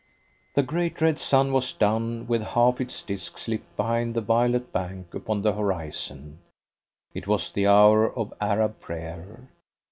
The great red sun was down with half its disc slipped behind the violet bank upon the horizon. It was the hour of Arab prayer.